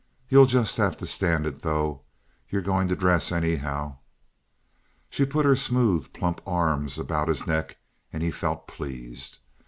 You'll just have to stand it, though. You're going to dress, anyhow." She put her smooth, plump arms about his neck, and he felt pleased.